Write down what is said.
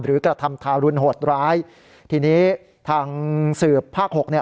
กระทำทารุณโหดร้ายทีนี้ทางสืบภาคหกเนี่ย